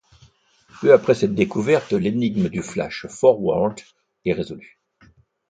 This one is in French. Peu après cette découverte, l’énigme du flash forward est résolue.